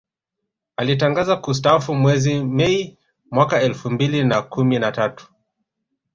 Alitangaza kustaafu mwezi Mei mwaka elfu mbili na kumi na tatu